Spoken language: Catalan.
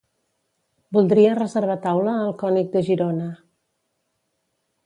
Voldria reservar taula al König de Girona.